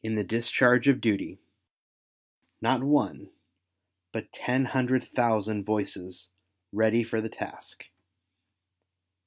159 the discharge of duty, not one but ten liundred thousand voices ready for the task.